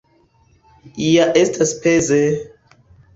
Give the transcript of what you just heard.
Ja estas peze!